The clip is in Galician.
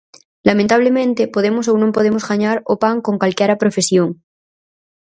Lamentablemente podemos ou non podemos gañar o pan con calquera profesión.